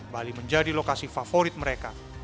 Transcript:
bali menjadi lokasi favorit mereka